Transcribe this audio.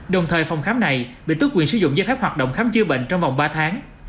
đồng thời phòng khám này bị tức quyền sử dụng giấy phép hoạt động khám chữa bệnh trong vòng ba tháng